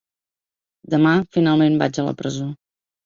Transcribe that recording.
Demà finalment vaig a la presó.